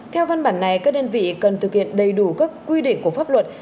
theo văn bản này các đơn vị cần thực hiện đầy đủ các quy định của pháp luật